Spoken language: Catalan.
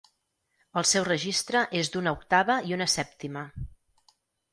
El seu registre és d'una octava i una sèptima.